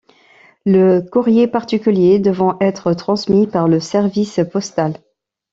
Le courrier particulier devant être transmis par le service postal.